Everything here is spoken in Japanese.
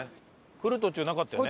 来る途中なかったよね。